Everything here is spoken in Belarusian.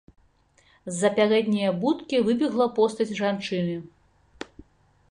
З-за пярэдняе будкі выбегла постаць жанчыны.